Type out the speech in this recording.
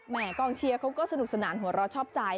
กองเชียร์เขาก็สนุกสนานหัวเราะชอบใจ